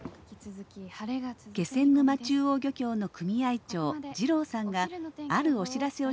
気仙沼中央漁協の組合長滋郎さんがあるお知らせをしに来ました。